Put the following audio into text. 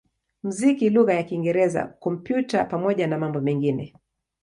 muziki lugha ya Kiingereza, Kompyuta pamoja na mambo mengine.